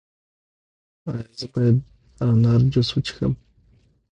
ایا زه باید د انار جوس وڅښم؟